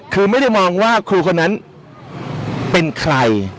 คือไม่ได้มองว่าครูคนนั้นเป็นใคร